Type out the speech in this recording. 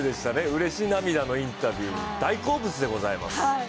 うれし涙のインタビュー、大好物でございます。